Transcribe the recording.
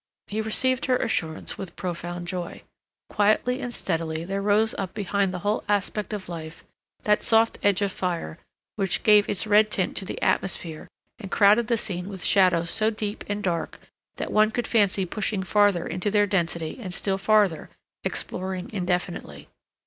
He received her assurance with profound joy. Quietly and steadily there rose up behind the whole aspect of life that soft edge of fire which gave its red tint to the atmosphere and crowded the scene with shadows so deep and dark that one could fancy pushing farther into their density and still farther, exploring indefinitely.